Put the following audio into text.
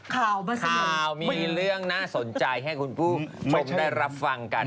ข่าวมีเรื่องน่าสนใจให้คุณผู้ชมได้รับฟังกัน